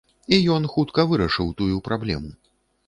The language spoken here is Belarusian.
І ён хутка вырашыў тую праблему.